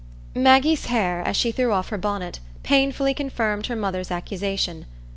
Maggie's hair, as she threw off her bonnet, painfully confirmed her mother's accusation.